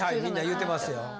みんな言うてますよ。